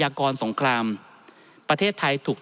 ท่านประธานครับนี่คือสิ่งที่สุดท้ายของท่านครับ